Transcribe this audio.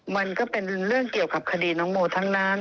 มันก็เป็นเรื่องเกี่ยวกับคดีน้องโมทั้งนั้น